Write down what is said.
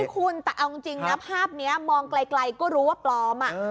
คุณแต่เอาจริงนะภาพนี้มองไกลก็รู้ว่าปลอม